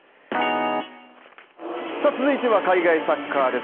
続いては海外サッカーです